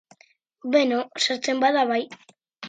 Beno, sortzen bada, bai.